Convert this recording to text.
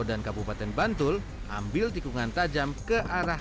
mereka macean sumpah menggunakan ekor crown net hitam yang berbentuk cerah